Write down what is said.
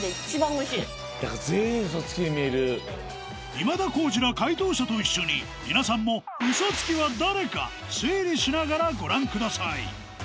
今田耕司ら解答者と一緒にみなさんもウソつきは誰か推理しながらご覧ください